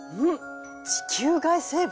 地球外生物！？